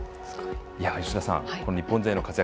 吉田さん、日本勢の活躍